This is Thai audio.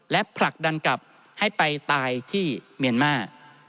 และผลักดันกลับให้ไปตายที่เมียนมาร์